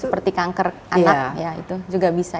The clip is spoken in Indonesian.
seperti kanker anak ya itu juga bisa